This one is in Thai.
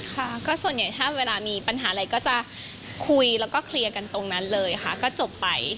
ค่ะก็ส่วนใหญ่ถ้าเวลามีปัญหาอะไรก็จะคุยแล้วก็เคลียร์กันตรงนั้นเลยค่ะก็จบไป